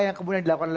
yang kemudian dilakukan